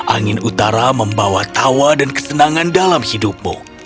angin utara membawa tawa dan kesenangan dalam hidupmu